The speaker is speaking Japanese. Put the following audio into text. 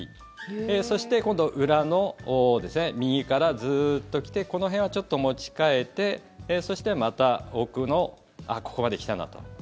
そして今度裏の右からずっと来てこの辺はちょっと持ち替えてそしてまた奥のここまで来たなと。